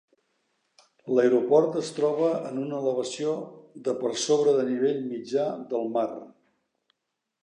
L'aeroport es troba en una elevació de per sobre de nivell mitjà del mar.